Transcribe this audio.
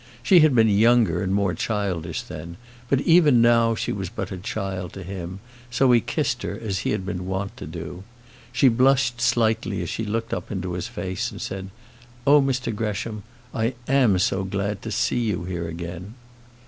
She had been younger and more childish then; but even now she was but a child to him, so he kissed her as he had been wont to do. She blushed slightly as she looked up into his face, and said: "Oh, Mr Gresham, I am so glad to see you here again."